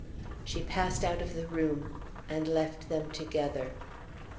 She passed out of the room and left them together.